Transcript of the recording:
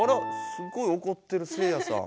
すごいおこってるせいやさん。